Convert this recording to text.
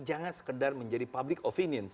jangan sekedar menjadi public opinions